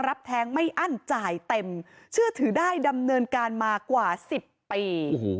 แทงไม่อั้นจ่ายเต็มเชื่อถือได้ดำเนินการมากว่า๑๐ปี